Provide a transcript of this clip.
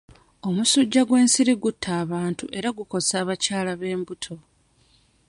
Omusujja gw'ensiri gutta abantu era gukosa abakyala b'embuto.